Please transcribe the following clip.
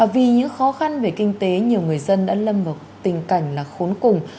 vì những khó khăn về kinh tế nhiều người dân đã lâm vào tình cảnh là khốn cùng